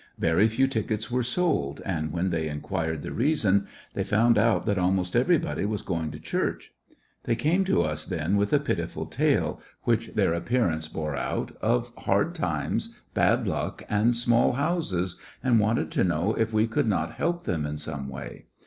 Very few tickets were sold, and when they inquired the reason they found out that almost everybody was going to church. They came to us then with a pitiful tale, which their appearance bore out, of hard times, bad luck, and small houses, and wanted to know if we could not help them in some way.